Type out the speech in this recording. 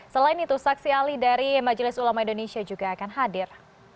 selain itu saksi ahli dari majelis ulama indonesia juga akan hadir